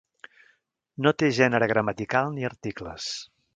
No té gènere gramatical ni articles.